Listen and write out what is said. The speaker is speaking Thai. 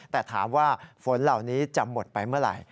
แต่ถามว่าฝนเหล่านี้จะหมดไปเมื่อไหร่